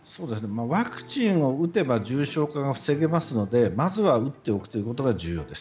ワクチンを打てば重症化が防げますのでまずは打っておくことが重要です。